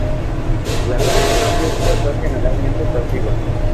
La recepción crítica fue generalmente positiva.